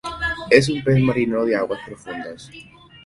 Es un pez marino de aguas profundas.